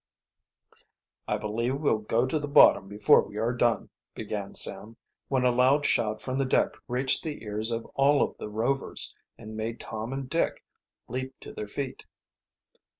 "I believe we'll go to the bottom before we are done," began Sam, when a loud shout from the deck reached the ears of all of the Rovers and made Tom and Dick leap to their feet.